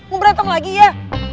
mau berantem lagi ya